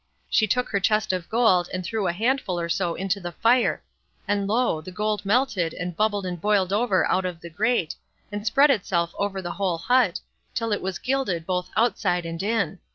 She took her chest of gold, and threw a handful or so into the fire, and lo! the gold melted, and bubbled and boiled over out of the grate, and spread itself over the whole hut, till it was gilded both outside and in.